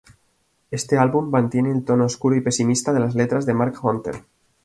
Este álbum mantiene el tono oscuro y pesimista de las letras de Mark Hunter.